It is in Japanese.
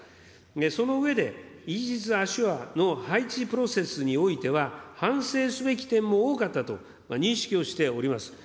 その上で、イージス・アショアの配置プロセスにおいては、反省すべき点も多かったと認識をしております。